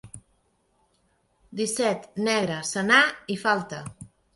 Disset, negre, senar i falta.